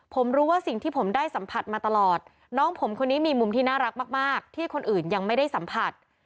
ผมรู้ว่าสิ่งที่ผมได้สัมผัสมาตลอดน้องผมคนนี้มีมุมที่น่ารักมากที่คนอื่นยังไม่ได้สัมผัส